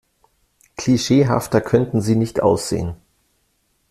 Klischeehafter könnten Sie nicht aussehen.